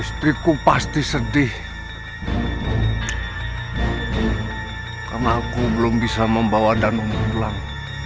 istriku pasti sedih karena aku belum bisa membawa dan umur pulang